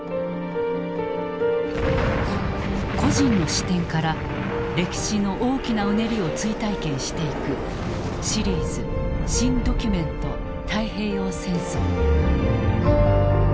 個人の視点から歴史の大きなうねりを追体験していく「シリーズ新・ドキュメント太平洋戦争」。